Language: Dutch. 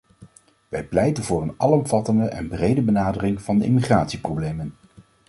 Wij pleiten voor een alomvattende en brede benadering van de immigratieproblemen.